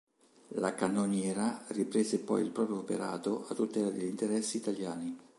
La cannoniera riprese poi il proprio operato a tutela degli interessi italiani.